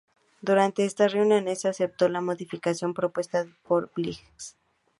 Durante estas reuniones se aceptó la modificación propuesta por Briggs.